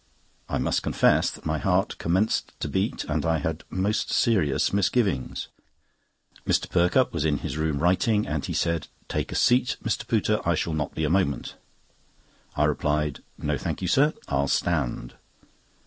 I must confess that my heart commenced to beat and I had most serious misgivings. Mr. Perkupp was in his room writing, and he said: "Take a seat, Mr. Pooter, I shall not be a moment." I replied: "No, thank you, sir; I'll stand."